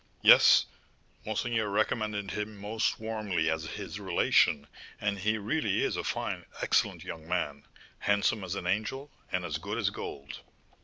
"Yes; monseigneur recommended him most warmly as his relation; and he really is a fine, excellent young man, handsome as an angel, and as good as gold."